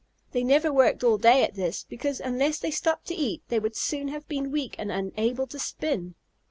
They never worked all day at this, because unless they stopped to eat they would soon have been weak and unable to spin.